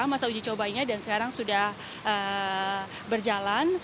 masa uji cobanya dan sekarang sudah berjalan